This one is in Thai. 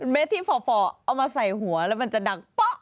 เมตรที่ฝ่อเอามาใส่หัวแล้วมันจะดังเป๊ะ